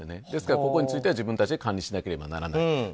ですから、ここについては自分たちで管理しなければならない。